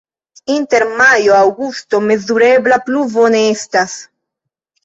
Inter majo-aŭgusto mezurebla pluvo ne estas.